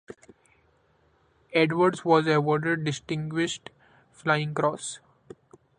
Edwards was awarded Distinguished flying Cross.